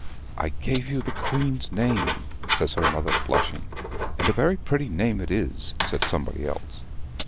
"I gave you the Queen's name," says her mother blushing. "And a very pretty name it is," said somebody else.